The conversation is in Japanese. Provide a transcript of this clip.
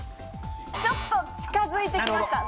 ちょっと近づいてきました。